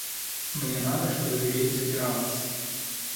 Мне надо, чтобы дверь запиралась.